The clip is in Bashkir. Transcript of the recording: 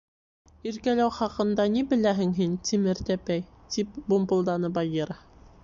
Иркәләү хаҡында ни беләһең һин, тимер тәпәй? — тип бумпылданы Багира.